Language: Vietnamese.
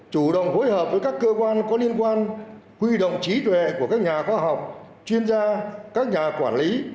chủ động phối hợp với các cơ quan có liên quan huy động trí tuệ của các nhà khoa học chuyên gia các nhà quản lý